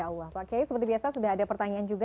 ya allah pak kiai seperti biasa sudah ada pertanyaan juga